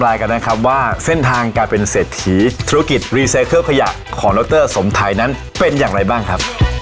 แล้วก็ขอพอเลยค่ะ